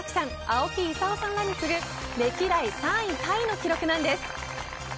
青木功さんに次ぐ歴代３位タイの記録なんです。